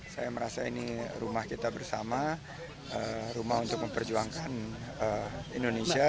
saya merasa ini rumah kita bersama rumah untuk memperjuangkan indonesia